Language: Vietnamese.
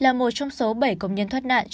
là một trong số bảy công nhân thoát nạn trong căn cứ